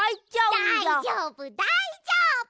だいじょうぶだいじょうぶ！